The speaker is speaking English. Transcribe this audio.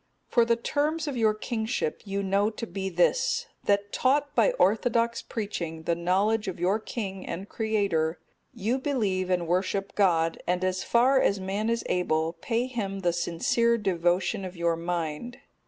For the terms of your kingship you know to be this, that taught by orthodox preaching the knowledge of your King and Creator, you believe and worship God, and as far as man is able, pay Him the sincere devotion of your mind.